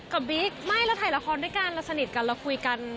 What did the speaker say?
บิ๊กไม่เราถ่ายละครด้วยกันเราสนิทกันเราคุยกัน